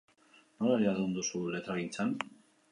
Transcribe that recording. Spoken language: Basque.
Nola jardun duzu letragintzan?